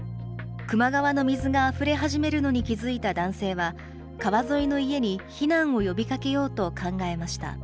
球磨川の水があふれ始めるのに気付いた男性は、川沿いの家に避難を呼びかけようと考えました。